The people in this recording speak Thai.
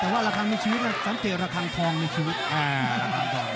แต่ว่าระคังมีชีวิตตั้งแต่ระคังทองมีชีวิต